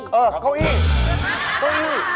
เออเก้าอี้นะฮะลุย